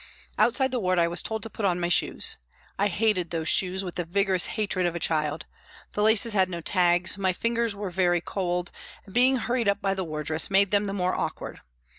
Outside the ward I was told to put on my shoes. I hated those shoes with the vigorous hatred of a child. The laces had no tags, my fingers were very cold, and being hurried up by the wardress made them the more awkward.